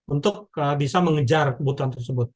untuk bisa mengejar kebutuhan tersebut